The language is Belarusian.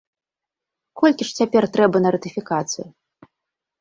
Колькі ж цяпер трэба на ратыфікацыю?